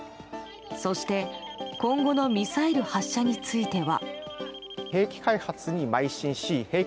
そして、今後のミサイル発射については。